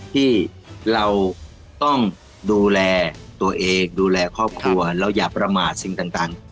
ที่เราต้องดูแลตัวเองดูแลครอบครัวเราอย่าประมาทสิ่งต่าง